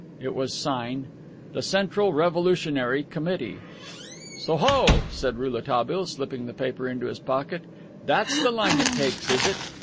It was signed: "The Central Revolutionary Committee." "So, ho!" said Rouletabille, slipping the paper into his pocket, "that's the line it takes, is it!